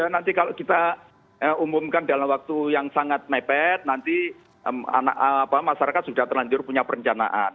nanti kalau kita umumkan dalam waktu yang sangat mepet nanti masyarakat sudah terlanjur punya perencanaan